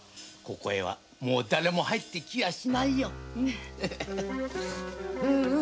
ここへはだれも入って来やしないよ。